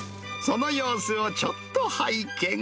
その様子をちょっと拝見。